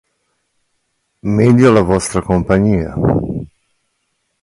Meglio la vostra compagnia.